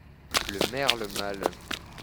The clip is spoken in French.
Le merle mâle